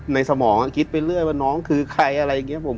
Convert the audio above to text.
สมองคิดไปเรื่อยว่าน้องคือใครอะไรอย่างนี้ผม